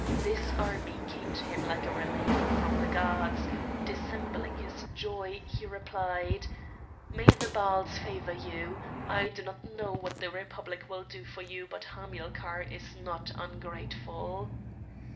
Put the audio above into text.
This army came to him like a relief from the gods; dissembling his joy he replied: "May the Baals favour you! I do not know what the Republic will do for you, but Hamilcar is not ungrateful."